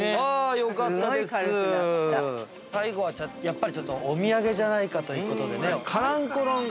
◆最後は、やっぱりちょっとお土産じゃないかということでカランコロン